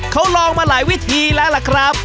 เขาลองมาหลายวิธีแล้วล่ะครับ